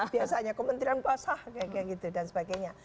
biasanya kementerian basah kayak gitu dan sebagainya